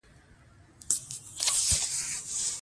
افغانستان کې د سیلانی ځایونه په اړه زده کړه کېږي.